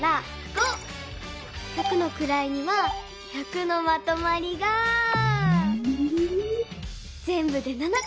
百のくらいには１００のまとまりがぜんぶで７こ。